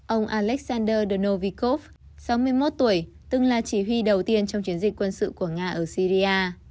ông alexander donovikov sáu mươi một tuổi từng là chỉ huy đầu tiên trong chiến dịch quân sự của nga ở syria